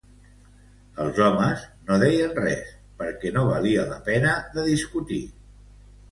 Els homes no deien res, perquè no valia la pena de discutir